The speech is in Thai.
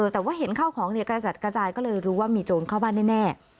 แต่ว่าเห็นข้าวของกระจัดกระจายก็เลยรู้ว่ามีโจรเข้าบ้านแน่